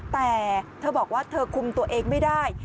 แต่เธอบอกว่าเธอคุมตัวเองไม่ได้